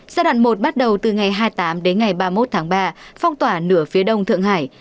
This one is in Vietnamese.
giai đoạn một bắt đầu từ ngày hai mươi tám đến ngày ba mươi một tháng ba phong tỏa nửa phía đông thượng hải